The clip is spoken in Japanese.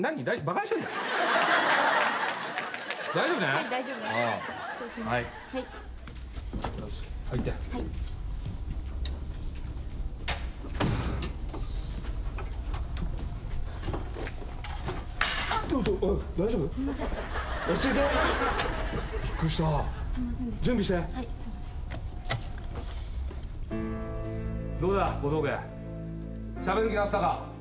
しゃべる気なったか？